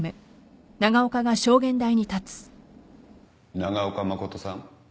長岡誠さん。